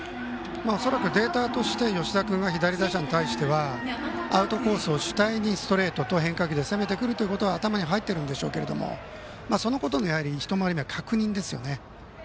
恐らくデータとして吉田君が左打者に対してはアウトコースを主体にストレートと変化球で攻めてくるということは頭に入っているんでしょうけどもそのことを一回り目では確認ですね。